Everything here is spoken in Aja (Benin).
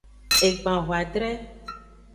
Egban hoadre.